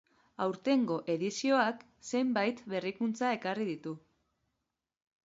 Aurtengo edizioak zenbait berrikuntza ekarri ditu.